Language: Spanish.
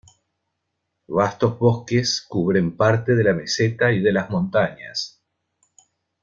Vastos bosques cubren parte de la meseta y de las montañas.